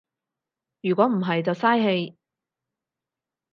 如果唔係就嘥氣